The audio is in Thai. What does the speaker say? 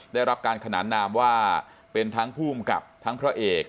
ได้รับการขนานนามว่าเป็นทั้งผู้กำกับทั้งพระเอก